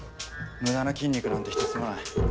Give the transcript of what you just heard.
無駄な筋肉なんてひとつもない。